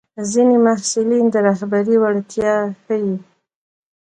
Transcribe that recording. ځینې محصلین د رهبرۍ وړتیا ښيي.